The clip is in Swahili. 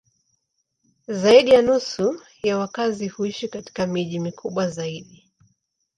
Zaidi ya nusu ya wakazi huishi katika miji mikubwa zaidi.